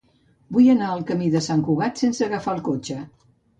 Vull anar al camí de Sant Cugat sense agafar el cotxe.